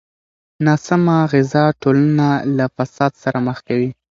ناسمه غذا ټولنه له فساد سره مخ کوي.